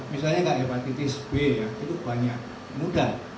misalnya hepatitis b itu banyak mudah